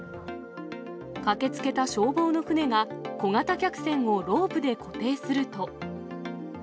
駆けつけた消防の船が、小型客船をロープで固定すると。